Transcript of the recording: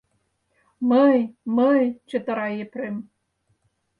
— Мый... мый... — чытыра Епрем.